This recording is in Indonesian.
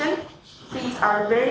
ini sangat besar